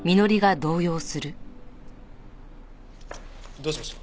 どうしました？